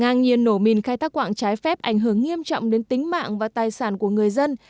ngang nhiên nổ mìn khai thác quạng trái phép ảnh hưởng nghiêm trọng đến tính mạng và tài sản của người dân